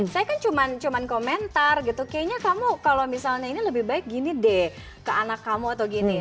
saya kan cuma komentar gitu kayaknya kamu kalau misalnya ini lebih baik gini deh ke anak kamu atau gini